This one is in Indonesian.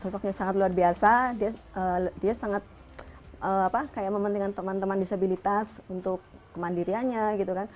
sosoknya sangat luar biasa dia sangat mementingkan teman teman disabilitas untuk kemandiriannya gitu kan